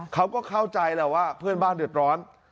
เขาก็เข้าใจแหละว่าเพื่อนบ้านเดือดร้อน